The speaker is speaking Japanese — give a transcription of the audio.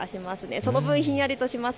その分ひんやりします。